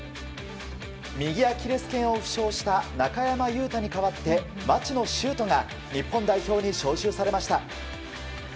右アキレス腱を負傷した中山雄太に代わって町野修斗が日本代表に招集されました。